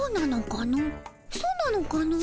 そうなのかの？